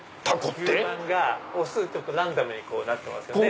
吸盤が雄はランダムになってますよね。